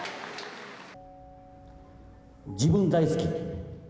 自分、大好き。